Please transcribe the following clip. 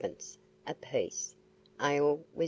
a piece; ale was 1s.